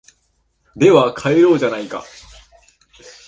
では帰ろうじゃないか